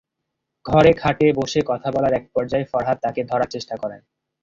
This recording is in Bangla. ঘরে খাটে বসে কথা বলার একপর্যায়ে ফরহাদ তাঁকে ধরার চেষ্টা করেন।